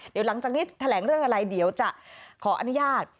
เดี๋ยวหลังจากนี้แถลงเรื่องอะไรเดี๋ยวจะขออนุญาต